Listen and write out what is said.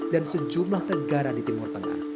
dan sejumlah negara di timur tengah